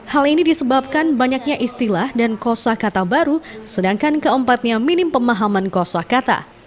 hal ini disebabkan banyaknya istilah dan kosa kata baru sedangkan keempatnya minim pemahaman kosa kata